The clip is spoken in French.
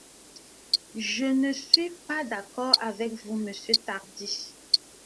Je ne suis pas d’accord avec vous, monsieur Tardy.